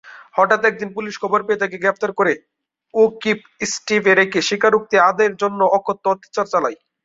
হঠাৎ একদিন পুলিশ খবর পেয়ে তাকে গ্রেপ্তার করে ও কিড স্ট্রিটে রেখে স্বীকারোক্তি আদায়ের জন্যে অকথ্য অত্যাচার চালায়।